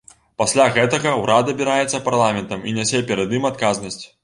Пасля гэтага ўрад абіраецца парламентам і нясе перад ім адказнасць.